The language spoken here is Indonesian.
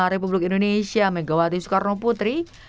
republik indonesia megawati soekarnoputri